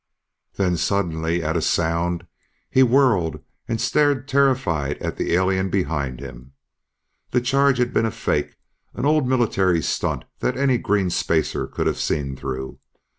Then suddenly, at a sound, he whirled and stared terrified at the alien behind him. The charge had been a fake, an old military stunt that any green Spacer could have seen through.